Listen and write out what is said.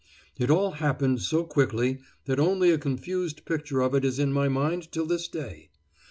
It all happened so quickly that only a confused picture of it is in my mind till this day.